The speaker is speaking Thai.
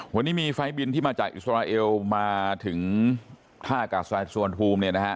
วันนี้มีไฟล์บินที่มาจากอิสราเอลมาถึงท่ากับสวนภูมิ